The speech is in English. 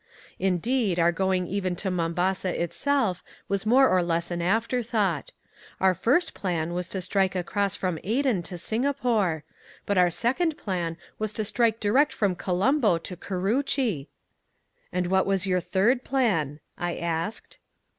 Indeed, our going even to Mombasa itself was more or less an afterthought. Our first plan was to strike across from Aden to Singapore. But our second plan was to strike direct from Colombo to Karuchi " "And what was your THIRD plan?" I asked.